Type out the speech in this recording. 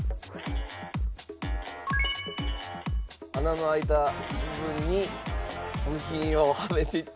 穴の開いた部分に部品をはめていって。